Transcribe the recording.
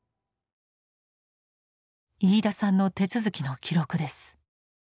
飯田さんの手続きの記録です。